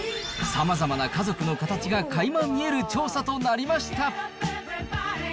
さまざまな家族の形がかいま見える調査となりました。